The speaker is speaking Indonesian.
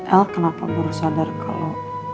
el kenapa baru sadar kalo